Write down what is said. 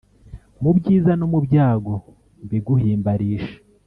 mu byiza no mu byago, mbiguhimbarishe